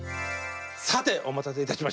さてお待たせいたしました。